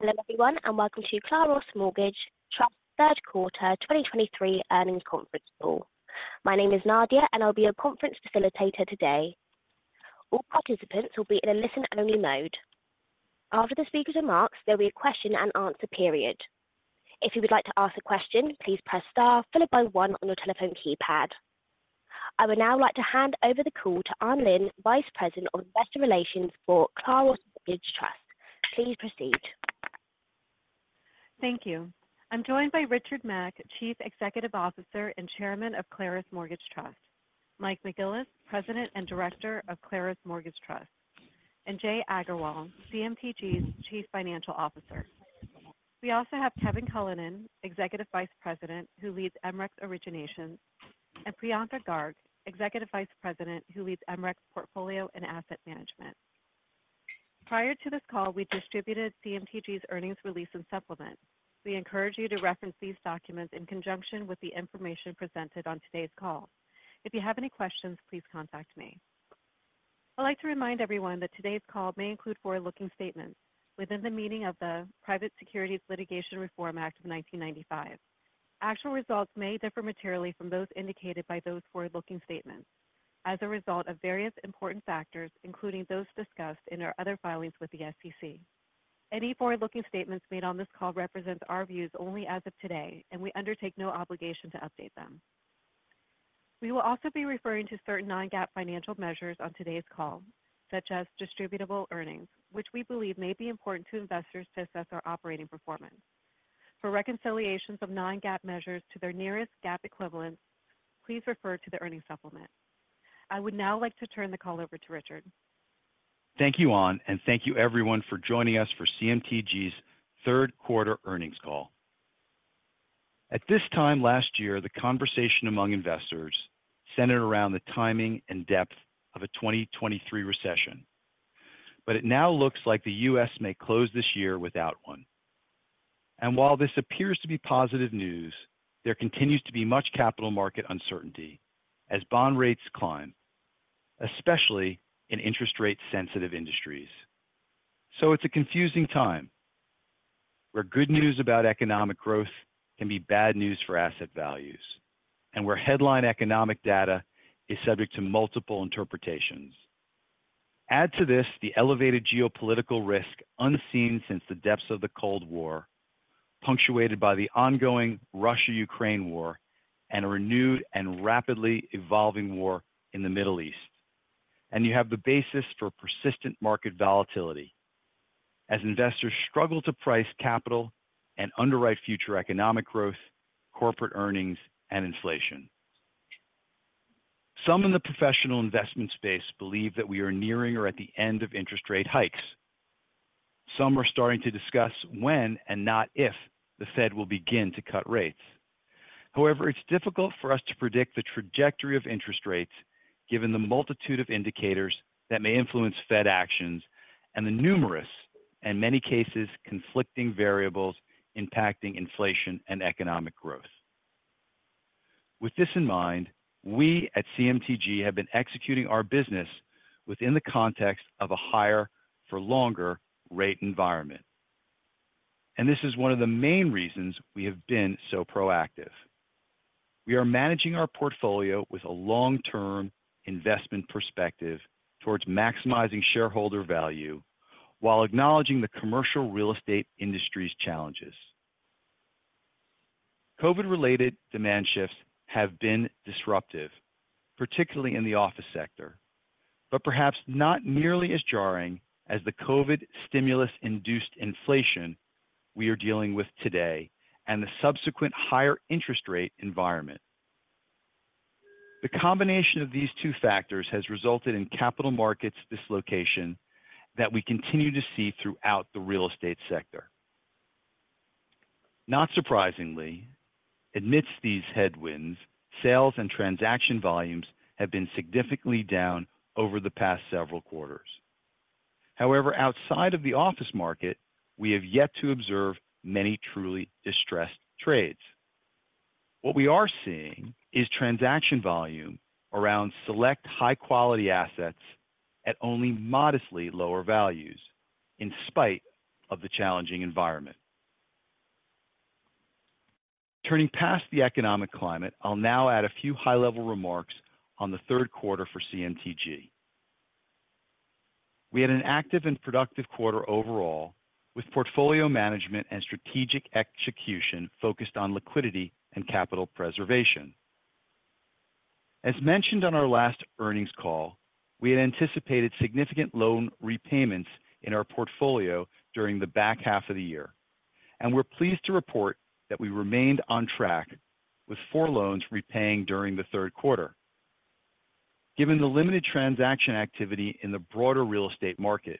Hello, everyone, and welcome to Claros Mortgage Trust Q3 2023 earnings conference call. My name is Nadia, and I'll be your conference facilitator today. All participants will be in a listen-only mode. After the speaker's remarks, there'll be a Q&A period. If you would like to ask a question, please press star followed by one on your telephone keypad. I would now like to hand over the call to Anh Huynh, Vice President of Investor Relations for Claros Mortgage Trust. Please proceed. Thank you. I'm joined by Richard Mack, Chief Executive Officer and Chairman of Claros Mortgage Trust, Mike McGillis, President and Director of Claros Mortgage Trust, and Jai Agarwal, CMTG's Chief Financial Officer. We also have Kevin Cullinan, Executive Vice President, who leads MREC's Originations, and Priyanka Garg, Executive Vice President, who leads MREC's Portfolio and Asset Management. Prior to this call, we distributed CMTG's earnings release and supplement. We encourage you to reference these documents in conjunction with the information presented on today's call. If you have any questions, please contact me. I'd like to remind everyone that today's call may include forward-looking statements within the meaning of the Private Securities Litigation Reform Act of 1995. Actual results may differ materially from those indicated by those forward-looking statements as a result of various important factors, including those discussed in our other filings with the SEC. Any forward-looking statements made on this call represent our views only as of today, and we undertake no obligation to update them. We will also be referring to certain non-GAAP financial measures on today's call, such as distributable earnings, which we believe may be important to investors to assess our operating performance. For reconciliations of non-GAAP measures to their nearest GAAP equivalents, please refer to the earnings supplement. I would now like to turn the call over to Richard. Thank you, Anh, and thank you everyone for joining us for CMTG's Q3 earnings call. At this time last year, the conversation among investors centered around the timing and depth of a 2023 recession, but it now looks like the U.S. may close this year without one. And while this appears to be positive news, there continues to be much capital market uncertainty as bond rates climb, especially in interest rate sensitive industries. So it's a confusing time, where good news about economic growth can be bad news for asset values and where headline economic data is subject to multiple interpretations. Add to this the elevated geopolitical risk unseen since the depths of the Cold War, punctuated by the ongoing Russia-Ukraine war and a renewed and rapidly evolving war in the Middle East, and you have the basis for persistent market volatility as investors struggle to price capital and underwrite future economic growth, corporate earnings, and inflation. Some in the professional investment space believe that we are nearing or at the end of interest rate hikes. Some are starting to discuss when and not if the Fed will begin to cut rates. However, it's difficult for us to predict the trajectory of interest rates given the multitude of indicators that may influence Fed actions and the numerous, and many cases, conflicting variables impacting inflation and economic growth. With this in mind, we at CMTG have been executing our business within the context of a higher for longer rate environment, and this is one of the main reasons we have been so proactive. We are managing our portfolio with a long-term investment perspective towards maximizing shareholder value while acknowledging the commercial real estate industry's challenges. COVID-related demand shifts have been disruptive, particularly in the office sector, but perhaps not nearly as jarring as the COVID stimulus-induced inflation we are dealing with today and the subsequent higher interest rate environment. The combination of these two factors has resulted in capital markets dislocation that we continue to see throughout the real estate sector. Not surprisingly, amidst these headwinds, sales and transaction volumes have been significantly down over the past several quarters. However, outside of the office market, we have yet to observe many truly distressed trades. What we are seeing is transaction volume around select high-quality assets at only modestly lower values in spite of the challenging environment. Turning past the economic climate, I'll now add a few high-level remarks on the Q3 for CMTG. We had an active and productive quarter overall, with portfolio management and strategic execution focused on liquidity and capital preservation. As mentioned on our last earnings call, we had anticipated significant loan repayments in our portfolio during the back half of the year, and we're pleased to report that we remained on track with four loans repaying during the Q3. Given the limited transaction activity in the broader real estate market,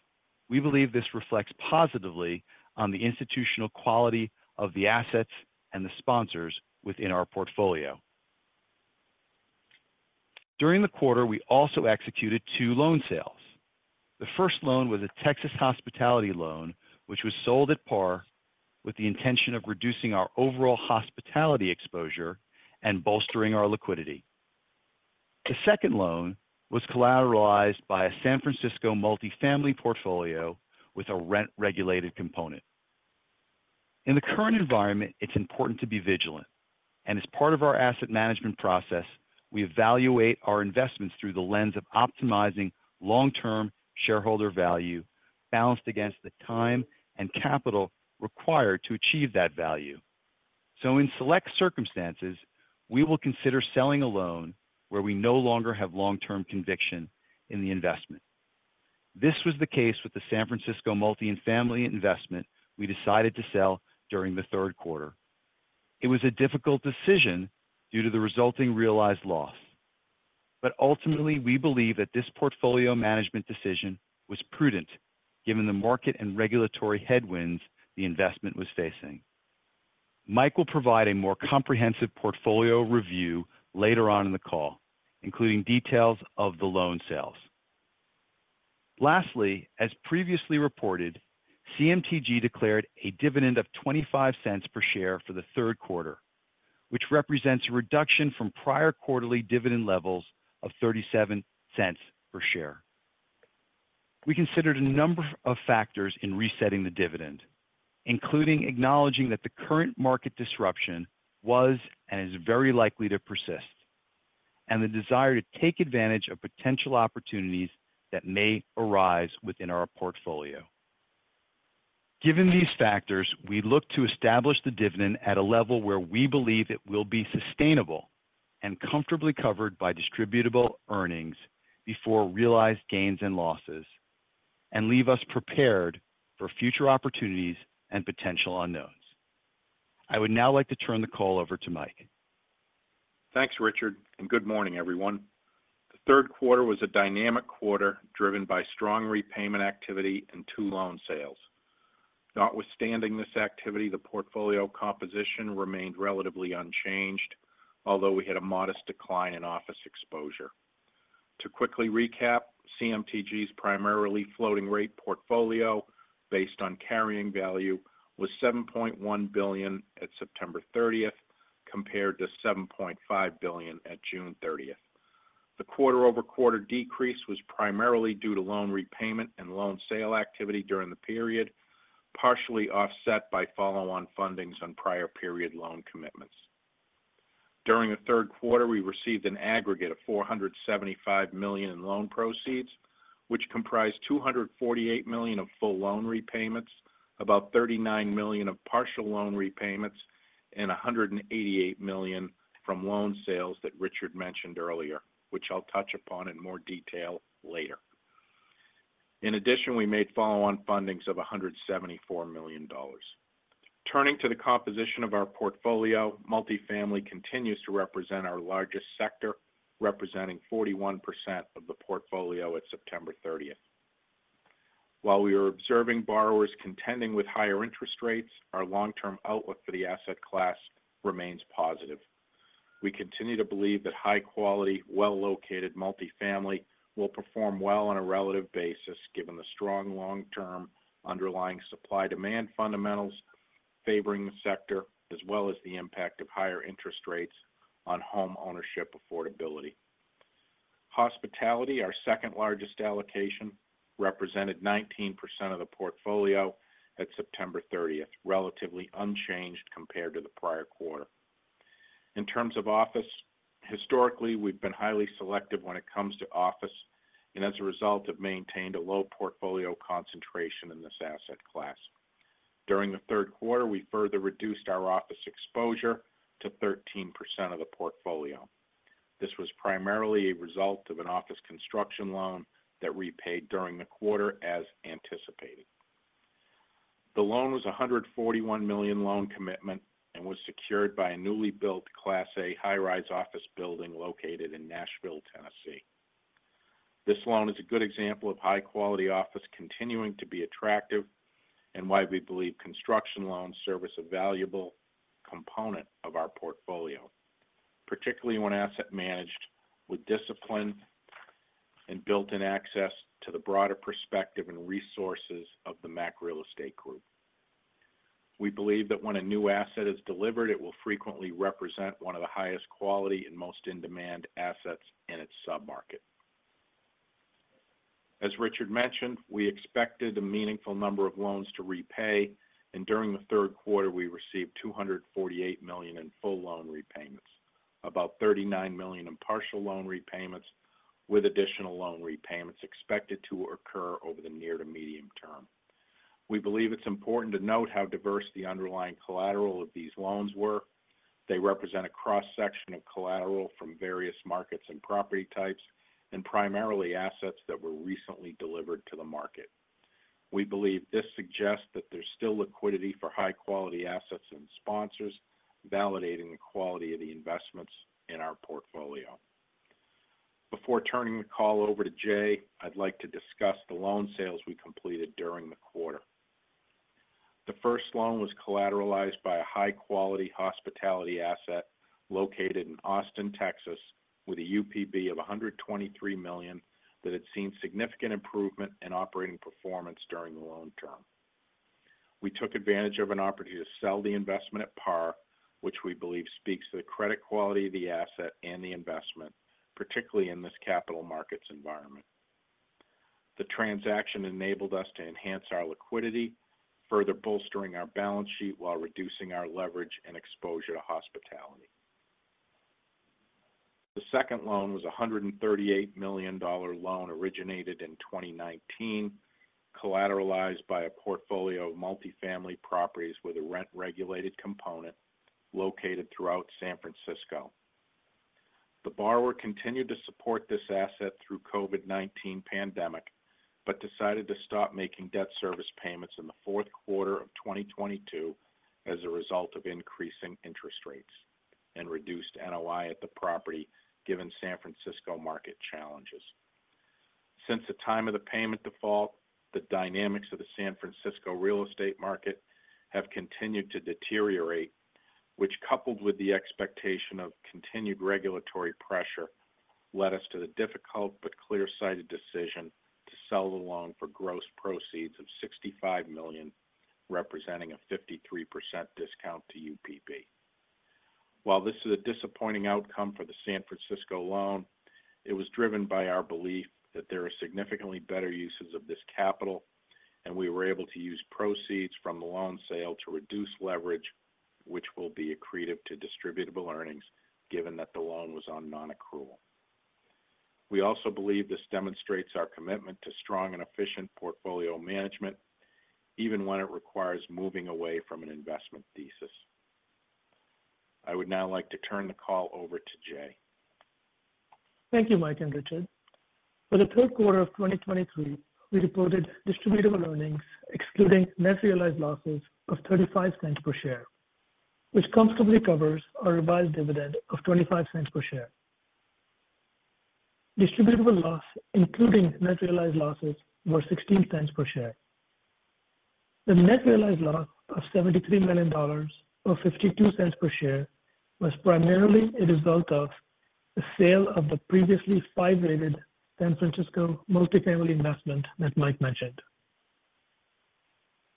we believe this reflects positively on the institutional quality of the assets and the sponsors within our portfolio. During the quarter, we also executed two loan sales. The first loan was a Texas hospitality loan, which was sold at par with the intention of reducing our overall hospitality exposure and bolstering our liquidity. The second loan was collateralized by a San Francisco multifamily portfolio with a rent-regulated component. In the current environment, it's important to be vigilant, and as part of our asset management process, we evaluate our investments through the lens of optimizing long-term shareholder value, balanced against the time and capital required to achieve that value. So in select circumstances, we will consider selling a loan where we no longer have long-term conviction in the investment. This was the case with the San Francisco multifamily investment we decided to sell during the Q3. It was a difficult decision due to the resulting realized loss. But ultimately, we believe that this portfolio management decision was prudent, given the market and regulatory headwinds the investment was facing. Mike will provide a more comprehensive portfolio review later on in the call, including details of the loan sales. Lastly, as previously reported, CMTG declared a dividend of $0.25 per share for the Q3, which represents a reduction from prior quarterly dividend levels of $0.37 per share. We considered a number of factors in resetting the dividend, including acknowledging that the current market disruption was and is very likely to persist, and the desire to take advantage of potential opportunities that may arise within our portfolio. Given these factors, we look to establish the dividend at a level where we believe it will be sustainable and comfortably covered by distributable earnings before realized gains and losses and leave us prepared for future opportunities and potential unknowns. I would now like to turn the call over to Mike. Thanks, Richard, and good morning, everyone. The Q3 was a dynamic quarter, driven by strong repayment activity and two loan sales. Notwithstanding this activity, the portfolio composition remained relatively unchanged, although we had a modest decline in office exposure. To quickly recap, CMTG's primarily floating rate portfolio, based on carrying value, was $7.1 billion at September 30th, compared to $7.5 billion at June 30th. The quarter-over-quarter decrease was primarily due to loan repayment and loan sale activity during the period, partially offset by follow-on fundings on prior period loan commitments. During the Q3, we received an aggregate of $475 million in loan proceeds, which comprised $248 million of full loan repayments, about $39 million of partial loan repayments, and $188 million from loan sales that Richard mentioned earlier, which I'll touch upon in more detail later. In addition, we made follow-on fundings of $174 million. Turning to the composition of our portfolio, multifamily continues to represent our largest sector, representing 41% of the portfolio at September 30. While we are observing borrowers contending with higher interest rates, our long-term outlook for the asset class remains positive. We continue to believe that high-quality, well-located multifamily will perform well on a relative basis, given the strong long-term underlying supply-demand fundamentals favoring the sector, as well as the impact of higher interest rates on homeownership affordability. Hospitality, our second-largest allocation, represented 19% of the portfolio at September 30, relatively unchanged compared to the prior quarter. In terms of office, historically, we've been highly selective when it comes to office, and as a result, have maintained a low portfolio concentration in this asset class. During the Q3, we further reduced our office exposure to 13% of the portfolio. This was primarily a result of an office construction loan that repaid during the quarter as anticipated. The loan was a $141 million loan commitment and was secured by a newly built Class A high-rise office building located in Nashville, Tennessee. This loan is a good example of high-quality office continuing to be attractive and why we believe construction loans serve a valuable component of our portfolio, particularly when asset managed with discipline and built-in access to the broader perspective and resources of the Mack Real Estate Group. We believe that when a new asset is delivered, it will frequently represent one of the highest quality and most in-demand assets in its submarket. As Richard mentioned, we expected a meaningful number of loans to repay, and during the Q3, we received $248 million in full loan repayments, about $39 million in partial loan repayments, with additional loan repayments expected to occur over the near-to medium-term. We believe it's important to note how diverse the underlying collateral of these loans were. They represent a cross-section of collateral from various markets and property types, and primarily assets that were recently delivered to the market. We believe this suggests that there's still liquidity for high-quality assets and sponsors, validating the quality of the investments in our portfolio. Before turning the call over to Jai, I'd like to discuss the loan sales we completed during the quarter. The first loan was collateralized by a high-quality hospitality asset located in Austin, Texas, with a UPB of $123 million that had seen significant improvement in operating performance during the loan term. We took advantage of an opportunity to sell the investment at par, which we believe speaks to the credit quality of the asset and the investment, particularly in this capital markets environment. The transaction enabled us to enhance our liquidity, further bolstering our balance sheet while reducing our leverage and exposure to hospitality. The second loan was a $138 million loan originated in 2019, collateralized by a portfolio of multifamily properties with a rent-regulated component located throughout San Francisco. The borrower continued to support this asset through COVID-19 pandemic, but decided to stop making debt service payments in the Q4 of 2022 as a result of increasing interest rates and reduced NOI at the property, given San Francisco market challenges. Since the time of the payment default, the dynamics of the San Francisco real estate market have continued to deteriorate, which, coupled with the expectation of continued regulatory pressure, led us to the difficult but clear-sighted decision to sell the loan for gross proceeds of $65 million, representing a 53% discount to UPB. While this is a disappointing outcome for the San Francisco loan, it was driven by our belief that there are significantly better uses of this capital, and we were able to use proceeds from the loan sale to reduce leverage, which will be accretive to Distributable Earnings, given that the loan was on non-accrual. We also believe this demonstrates our commitment to strong and efficient portfolio management, even when it requires moving away from an investment thesis. I would now like to turn the call over to Jai. Thank you, Mike and Richard. For the Q3 of 2023, we reported distributable earnings excluding net realized losses of $0.35 per share, which comfortably covers our revised dividend of $0.25 per share. Distributable loss, including net realized losses, were $0.16 per share. The net realized loss of $73 million, or $0.52 per share, was primarily a result of the sale of the previously five-rated San Francisco multifamily investment that Mike mentioned.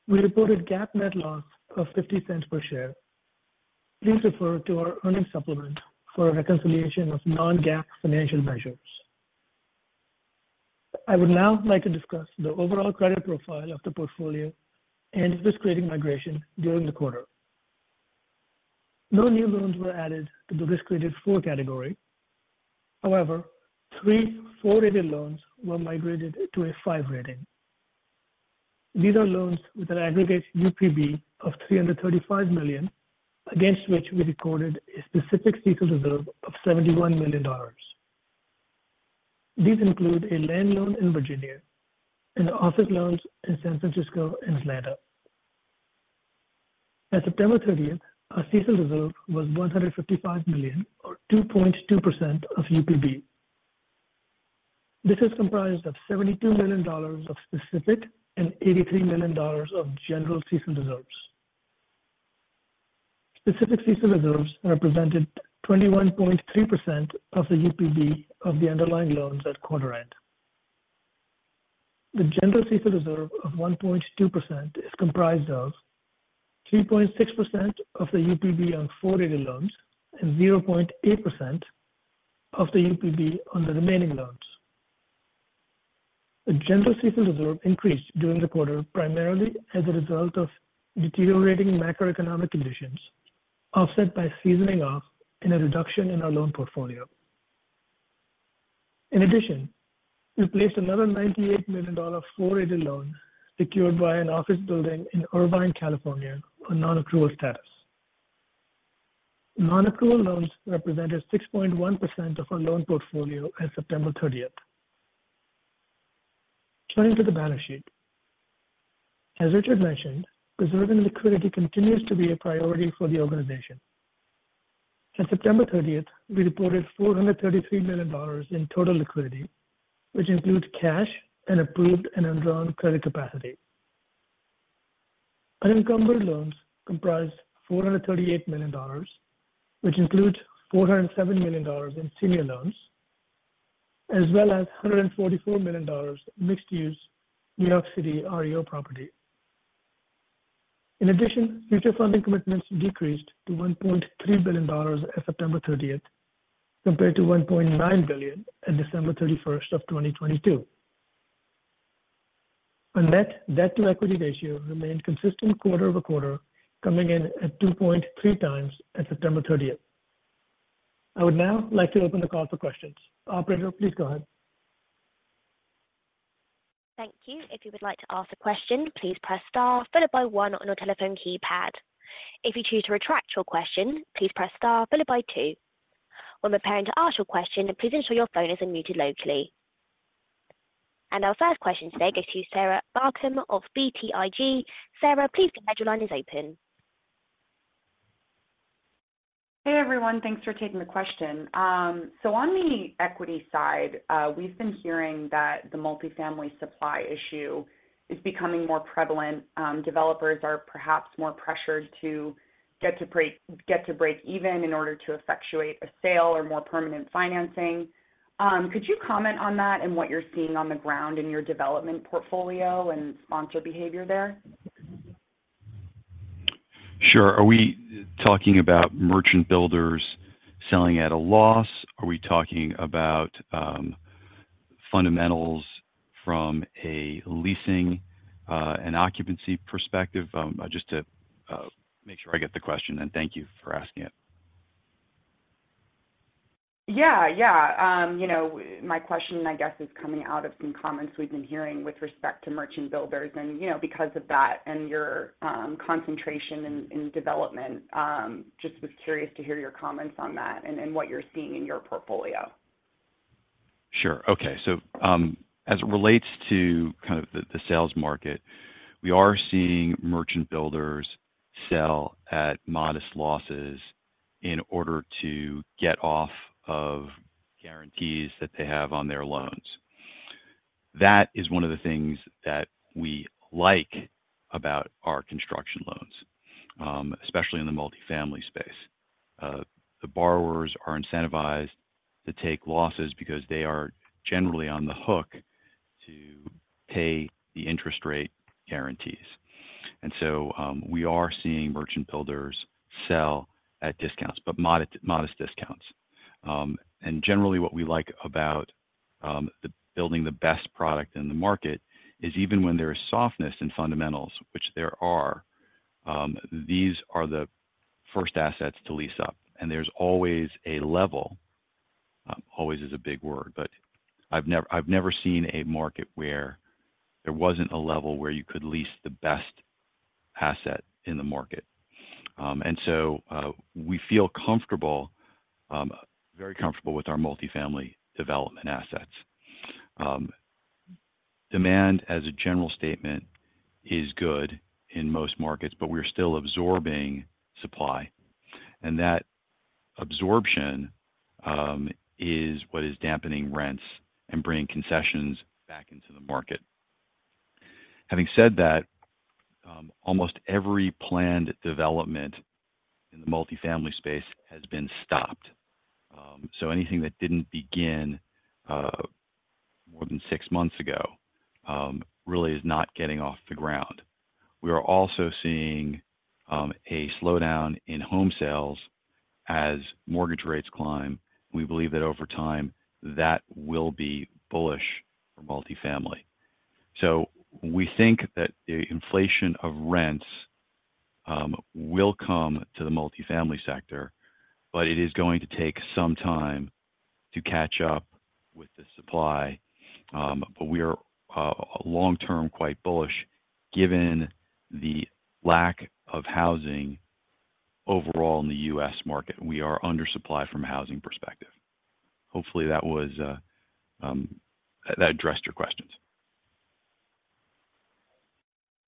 We reported GAAP net loss of $0.50 per share. Please refer to our earnings supplement for a reconciliation of non-GAAP financial measures. I would now like to discuss the overall credit profile of the portfolio and risk rating migration during the quarter. No new loans were added to the risk-rated four category. However, three, four-rated loans were migrated to a 5 rating. These are loans with an aggregate UPB of $335 million, against which we recorded a specific CECL reserve of $71 million. These include a land loan in Virginia and office loans in San Francisco and Atlanta. At September 30, our CECL reserve was $155 million, or 2.2% of UPB. This is comprised of $72 million of specific and $83 million of general CECL reserves. Specific CECL reserves represented 21.3% of the UPB of the underlying loans at quarter end. The general CECL reserve of 1.2% is comprised of 3.6% of the UPB on four-rated loans and 0.8% of the UPB on the remaining loans. The general CECL reserve increased during the quarter, primarily as a result of deteriorating macroeconomic conditions, offset by seasoning off and a reduction in our loan portfolio. In addition, we placed another $98 million four-rated loan secured by an office building in Irvine, California, on non-accrual status. Non-accrual loans represented 6.1% of our loan portfolio as of September 30. Turning to the balance sheet. As Richard mentioned, preserving liquidity continues to be a priority for the organization. At September 30, we reported $433 million in total liquidity, which includes cash and approved and undrawn credit capacity. Unencumbered loans comprised $438 million, which includes $407 million in senior loans, as well as $144 million mixed-use New York City REO property. In addition, future funding commitments decreased to $1.3 billion at September 30, compared to $1.9 billion at December 31, 2022. Our net debt-to-equity ratio remained consistent quarter-over-quarter, coming in at 2.3x at September 30. I would now like to open the call for questions. Operator, please go ahead. Thank you. If you would like to ask a question, please press star followed by one on your telephone keypad. If you choose to retract your question, please press star followed by two. When preparing to ask your question, please ensure your phone isn't muted locally. Our first question today goes to Sarah Barcomb of BTIG. Sarah, please go ahead. Your line is open. Hey, everyone. Thanks for taking the question. So on the equity side, we've been hearing that the multifamily supply issue is becoming more prevalent. Developers are perhaps more pressured to get to break even in order to effectuate a sale or more permanent financing. Could you comment on that and what you're seeing on the ground in your development portfolio and sponsor behavior there? Sure. Are we talking about merchant builders selling at a loss? Are we talking about fundamentals from a leasing and occupancy perspective? Just to make sure I get the question, and thank you for asking it. Yeah, yeah. You know, my question, I guess, is coming out of some comments we've been hearing with respect to merchant builders. And, you know, because of that and your concentration in development, just was curious to hear your comments on that and what you're seeing in your portfolio. Sure. Okay. So, as it relates to kind of the sales market, we are seeing merchant builders sell at modest losses in order to get off of guarantees that they have on their loans. That is one of the things that we like about our construction loans, especially in the multifamily space. The borrowers are incentivized to take losses because they are generally on the hook to pay the interest rate guarantees. And so, we are seeing merchant builders sell at discounts, but modest discounts. And generally, what we like about building the best product in the market is even when there is softness in fundamentals, which there are, these are the first assets to lease up, and there's always a level. Always is a big word, but I've never seen a market where there wasn't a level where you could lease the best asset in the market. And so, we feel comfortable, very comfortable with our multifamily development assets. Demand, as a general statement, is good in most markets, but we're still absorbing supply, and that absorption is what is dampening rents and bringing concessions back into the market. Having said that, almost every planned development in the multifamily space has been stopped. So anything that didn't begin more than six months ago really is not getting off the ground. We are also seeing a slowdown in home sales as mortgage rates climb. We believe that over time, that will be bullish for multifamily. So we think that the inflation of rents will come to the multifamily sector, but it is going to take some time to catch up with the supply. But we are long-term, quite bullish, given the lack of housing overall in the U.S. market. We are undersupply from a housing perspective. Hopefully, that addressed your questions.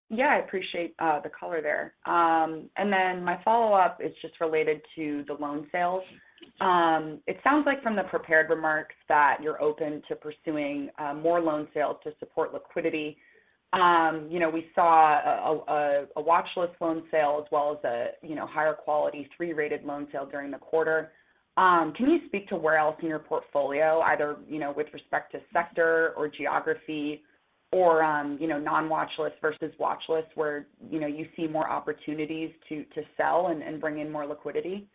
Yeah, I appreciate the color there. And then my follow-up is just related to the loan sales. It sounds like from the prepared remarks that you're open to pursuing more loan sales to support liquidity. You know, we saw a watchlist loan sale as well as a higher quality three-rated loan sale during the quarter. Can you speak to where else in your portfolio, either with respect to sector or geography or non-watchlist versus watchlist, where you see more opportunities to sell and bring in more liquidity?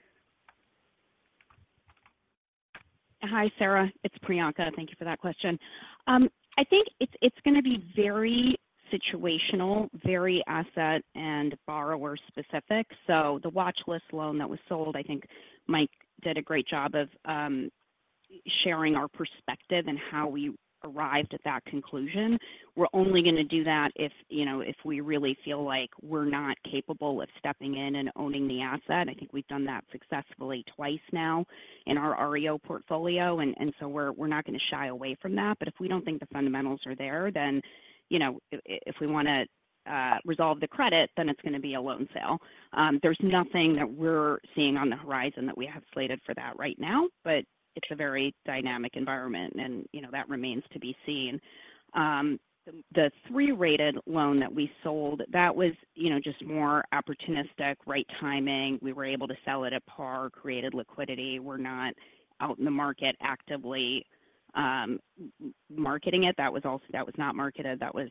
Hi, Sarah. It's Priyanka. Thank you for that question. I think it's gonna be very situational, very asset and borrower specific. So the watchlist loan that was sold, I think Mike did a great job of sharing our perspective and how we arrived at that conclusion. We're only gonna do that if, you know, if we really feel like we're not capable of stepping in and owning the asset. I think we've done that successfully twice now in our REO portfolio, and so we're not gonna shy away from that. But if we don't think the fundamentals are there, then, you know, if we wanna resolve the credit, then it's gonna be a loan sale. There's nothing that we're seeing on the horizon that we have slated for that right now, but it's a very dynamic environment, and, you know, that remains to be seen. The three-rated loan that we sold, that was, you know, just more opportunistic, right timing. We were able to sell it at par, created liquidity. We're not out in the market actively marketing it. That was also. That was not marketed. That was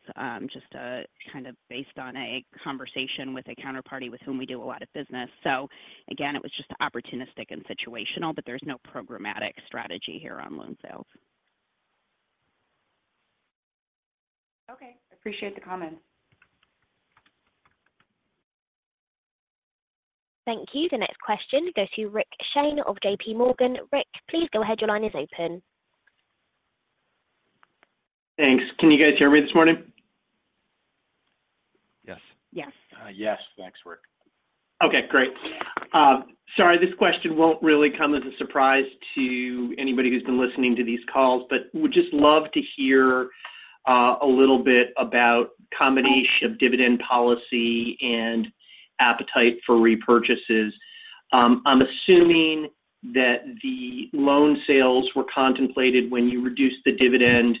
just kind of based on a conversation with a counterparty with whom we do a lot of business. So again, it was just opportunistic and situational, but there's no programmatic strategy here on loan sales. Okay. Appreciate the comment. Thank you. The next question goes to Rick Shane of JPMorgan. Rick, please go ahead. Your line is open. Thanks. Can you guys hear me this morning? Yes. Yes. Yes. Thanks, Rick. Okay, great. Sorry, this question won't really come as a surprise to anybody who's been listening to these calls, but would just love to hear a little bit about combination of dividend policy and appetite for repurchases. I'm assuming that the loan sales were contemplated when you reduced the dividend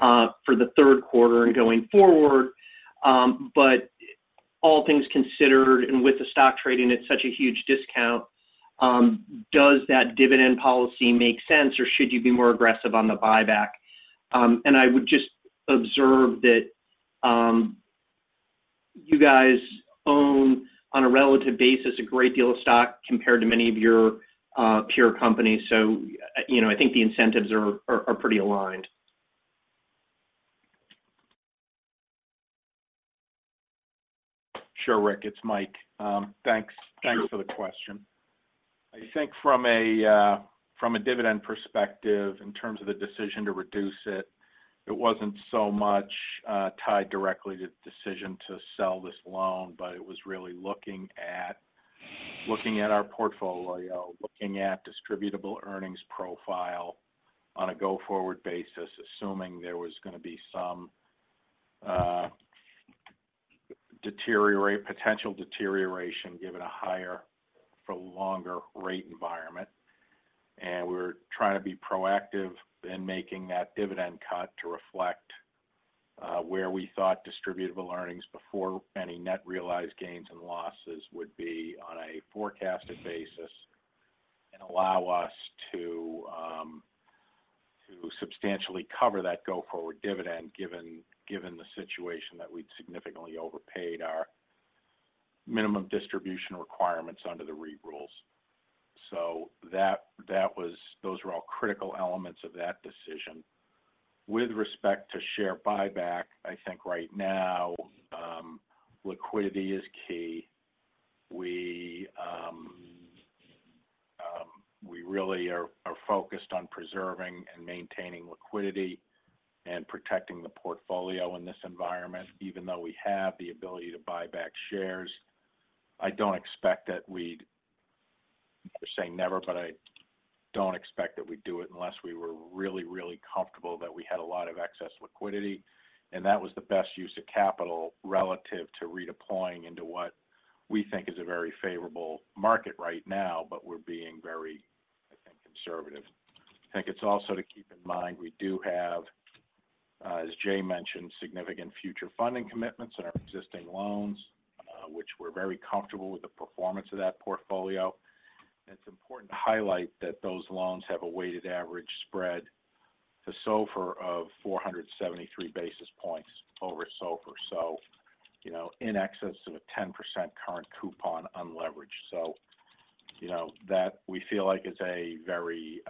for the Q3 and going forward. But all things considered, and with the stock trading at such a huge discount, does that dividend policy make sense, or should you be more aggressive on the buyback? And I would just observe that you guys own, on a relative basis, a great deal of stock compared to many of your peer companies. So, you know, I think the incentives are pretty aligned. Sure, Rick, it's Mike. Thanks. Sure. Thanks for the question. I think from a, from a dividend perspective, in terms of the decision to reduce it, it wasn't so much, tied directly to the decision to sell this loan, but it was really looking at, looking at our portfolio, looking at distributable earnings profile on a go-forward basis, assuming there was gonna be some, potential deterioration, given a higher for longer rate environment. And we're trying to be proactive in making that dividend cut to reflect, where we thought distributable earnings before any net realized gains and losses would be on a forecasted basis and allow us to, to substantially cover that go-forward dividend, given, given the situation that we'd significantly overpaid our minimum distribution requirements under the REIT rules. So that, that was. Those were all critical elements of that decision. With respect to share buyback, I think right now, liquidity is key. We really are focused on preserving and maintaining liquidity and protecting the portfolio in this environment, even though we have the ability to buy back shares. I don't expect that we'd, not to say never, but I don't expect that we'd do it unless we were really, really comfortable that we had a lot of excess liquidity, and that was the best use of capital relative to redeploying into what we think is a very favorable market right now, but we're being very, I think, conservative. I think it's also to keep in mind, we do have, as Jai mentioned, significant future funding commitments in our existing loans, which we're very comfortable with the performance of that portfolio. It's important to highlight that those loans have a weighted average spread to SOFR of 473 basis points over SOFR. So, you know, in excess of a 10% current coupon, unleveraged. So, you know, that we feel like is a very,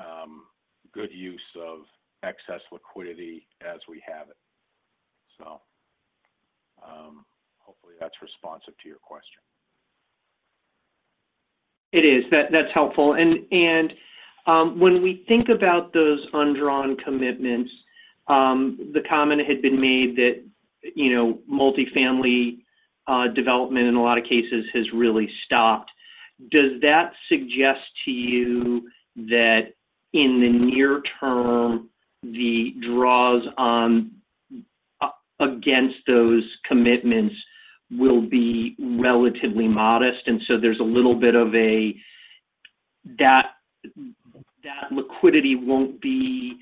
good use of excess liquidity as we have it. So, hopefully, that's responsive to your question. It is. That's helpful. And when we think about those undrawn commitments, the comment had been made that, you know, multifamily development in a lot of cases has really stopped. Does that suggest to you that in the near-term, the draws on against those commitments will be relatively modest, and so there's a little bit of a... liquidity won't be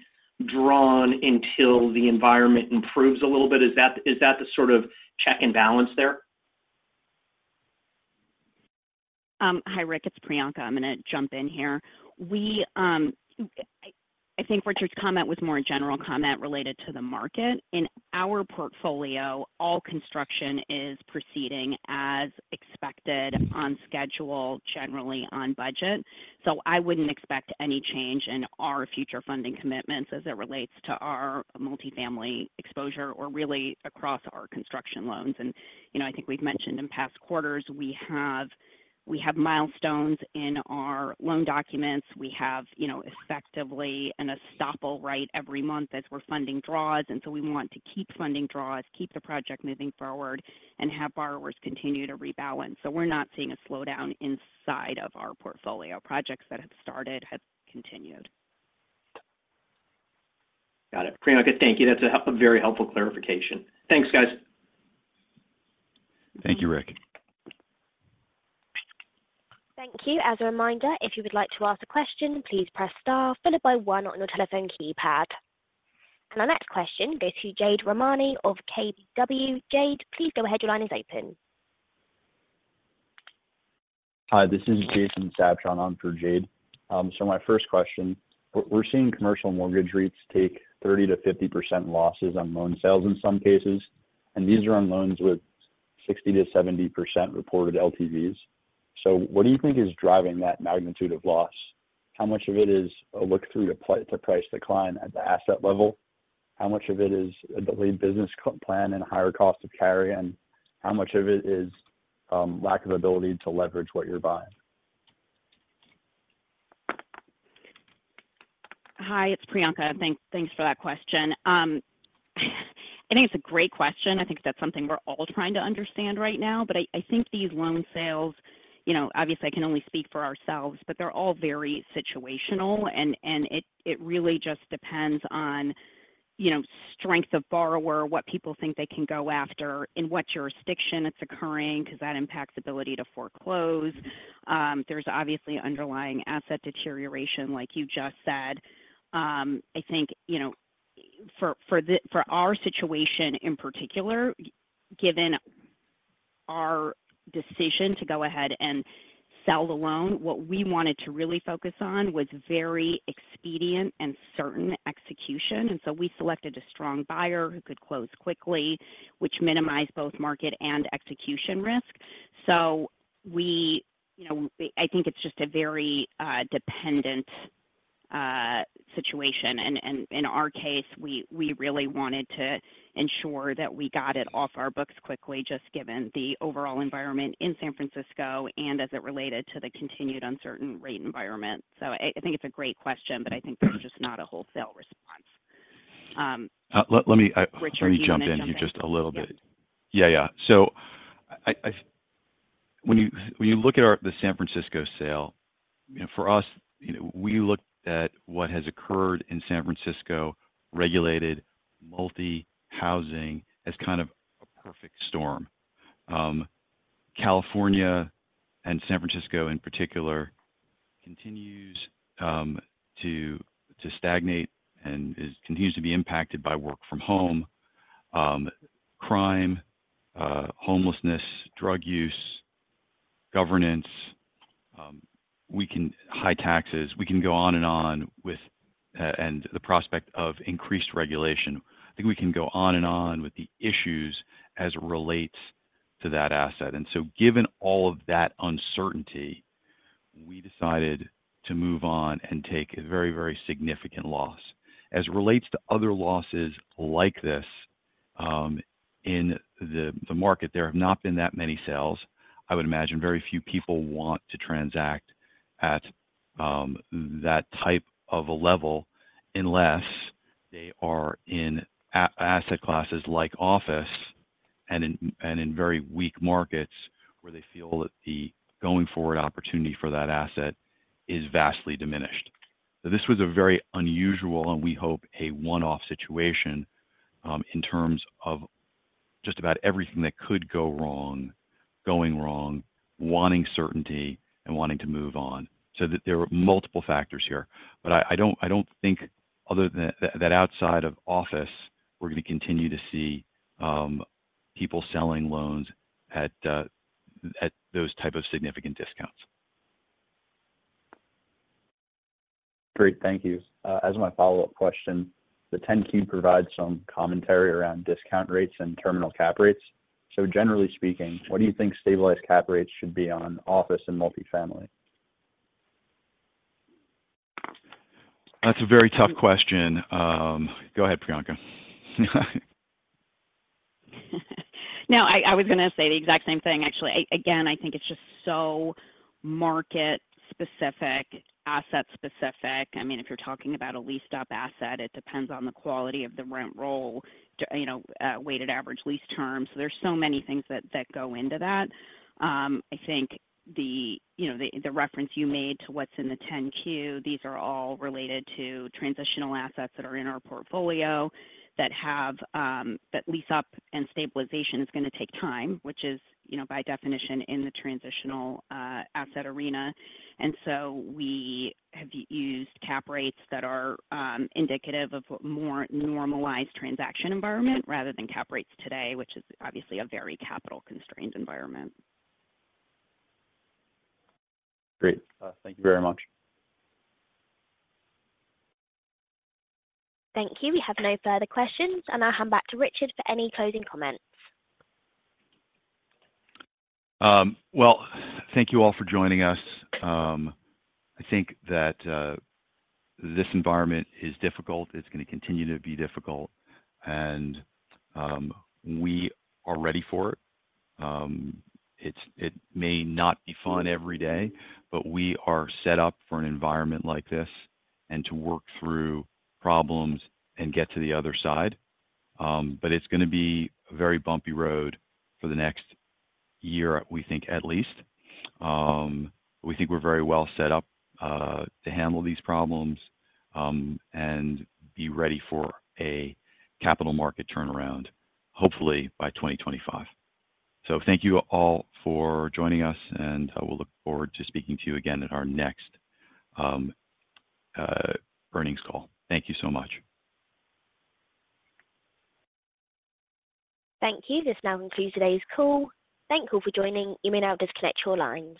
drawn until the environment improves a little bit? Is that the sort of check and balance there? Hi, Rick, it's Priyanka. I'm gonna jump in here. I think Richard's comment was more a general comment related to the market. In our portfolio, all construction is proceeding as expected, on schedule, generally on budget. So I wouldn't expect any change in our future funding commitments as it relates to our multifamily exposure or really across our construction loans. You know, I think we've mentioned in past quarters, we have milestones in our loan documents. We have, you know, effectively an estoppel right every month as we're funding draws, and so we want to keep funding draws, keep the project moving forward, and have borrowers continue to rebalance. So we're not seeing a slowdown inside of our portfolio. Projects that have started have continued. Got it. Priyanka, thank you. That's a very helpful clarification. Thanks, guys. Thank you, Rick. Thank you. As a reminder, if you would like to ask a question, please press star followed by one on your telephone keypad. Our next question goes to Jade Rahmani of KBW. Jade, please go ahead. Your line is open. Hi, this is Jason Sabshon. I'm for Jade. So my first question, we're seeing commercial mortgage rates take 30%-50% losses on loan sales in some cases, and these are on loans with 60%-70% reported LTVs. So what do you think is driving that magnitude of loss? How much of it is a look-through to price decline at the asset level? How much of it is a delayed business plan and a higher cost to carry? And how much of it is lack of ability to leverage what you're buying? Hi, it's Priyanka. Thanks, thanks for that question. I think it's a great question. I think that's something we're all trying to understand right now. But I think these loan sales, you know, obviously I can only speak for ourselves, but they're all very situational, and it really just depends on, you know, strength of borrower, what people think they can go after, in what jurisdiction it's occurring, because that impacts ability to foreclose. There's obviously underlying asset deterioration, like you just said. I think, you know, for our situation in particular, given our decision to go ahead and sell the loan, what we wanted to really focus on was very expedient and certain execution. And so we selected a strong buyer who could close quickly, which minimized both market and execution risk. So we, you know, I think it's just a very dependent situation. And in our case, we really wanted to ensure that we got it off our books quickly, just given the overall environment in San Francisco and as it related to the continued uncertain rate environment. So I think it's a great question, but I think there's just not a wholesale response. Let me, Richard, do you wanna jump in? Let me jump in here just a little bit. Yeah, yeah. So when you look at our the San Francisco sale, you know, for us, you know, we looked at what has occurred in San Francisco, regulated multi-housing as kind of a perfect storm. California and San Francisco in particular continues to stagnate and continues to be impacted by work from home, crime, homelessness, drug use, governance, high taxes. We can go on and on with and the prospect of increased regulation. I think we can go on and on with the issues as it relates to that asset. And so given all of that uncertainty, we decided to move on and take a very, very significant loss. As it relates to other losses like this, in the market, there have not been that many sales. I would imagine very few people want to transact at that type of a level unless they are in asset classes like office and in and in very weak markets, where they feel that the going-forward opportunity for that asset is vastly diminished. So this was a very unusual, and we hope, a one-off situation, in terms of just about everything that could go wrong, going wrong, wanting certainty, and wanting to move on. So there were multiple factors here, but I don't think other than that, that outside of office, we're going to continue to see people selling loans at at those type of significant discounts. Great. Thank you. As my follow-up question, the 10-Q provides some commentary around discount rates and terminal cap rates. So generally speaking, what do you think stabilized cap rates should be on office and multifamily? That's a very tough question. Go ahead, Priyanka. No, I was going to say the exact same thing actually. Again, I think it's just so market-specific, asset-specific. I mean, if you're talking about a leased-up asset, it depends on the quality of the rent roll to, you know, weighted average lease terms. There's so many things that go into that. I think the, you know, the reference you made to what's in the 10-Q, these are all related to transitional assets that are in our portfolio that have that lease-up and stabilization is going to take time, which is, you know, by definition, in the transitional asset arena. And so we have used cap rates that are indicative of a more normalized transaction environment rather than cap rates today, which is obviously a very capital-constrained environment. Great. Thank you very much. Thank you. We have no further questions, and I'll hand back to Richard for any closing comments. Well, thank you all for joining us. I think that this environment is difficult. It's going to continue to be difficult, and we are ready for it. It may not be fun every day, but we are set up for an environment like this and to work through problems and get to the other side. But it's going to be a very bumpy road for the next year, we think at least. We think we're very well set up to handle these problems and be ready for a capital market turnaround, hopefully by 2025. So thank you all for joining us, and we'll look forward to speaking to you again at our next earnings call. Thank you so much. Thank you. This now concludes today's call. Thank you for joining. You may now disconnect your lines.